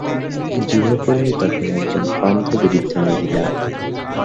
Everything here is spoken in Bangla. গৃহকর্মী তখন একজন অন্ধ বৃদ্ধ মহিলা।